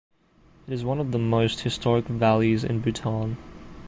It is one of the most historic valleys in Bhutan.